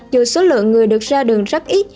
dù số lượng người được ra đường rất ít